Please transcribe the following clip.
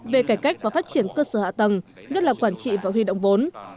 về cải cách và phát triển cơ sở hạ tầng nhất là quản trị và huy động vốn